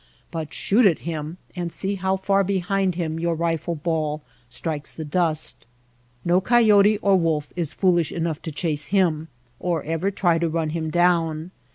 Bnt shoot at him and see how far behind him your rifle ball strikes the dust. No coyote or wolf is foolish enongh to chase him or ever try to rnn him down.